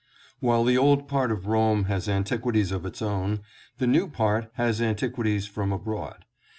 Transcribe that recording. While the old part of Rome has antiquities of its own, the new part has antiquities from abroad.